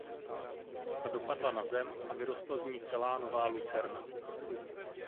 Ta dopadla na zem a vyrostla z ní celá nová lucerna.